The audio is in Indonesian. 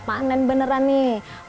panen beneran nih